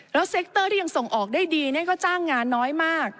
แล้วเซ็กเตอร์ที่ยังส่งออกได้ดีก็จ้างงานน้อยมาก